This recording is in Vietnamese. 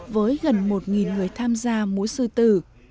với gần một người tham gia múa sư tử